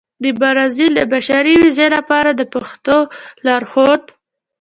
د برازيل د بشري ویزې لپاره د پښتو لارښود